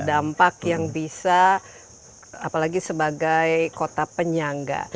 dampak yang bisa apalagi sebagai kota penyangga